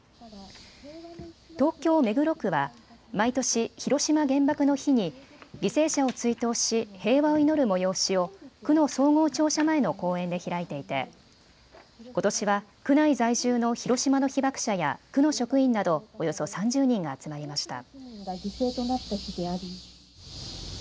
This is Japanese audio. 東京目黒区は毎年、広島原爆の日に犠牲者を追悼し平和を祈る催しを区の総合庁舎前の公園で開いていてことしは区内在住の広島の被爆者や区の職員などおよそ３０人が集まりました。